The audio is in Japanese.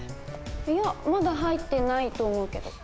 いやまだ入ってないと思うけど。